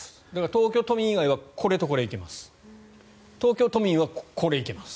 東京都民以外はこれとこれ以外は行けます。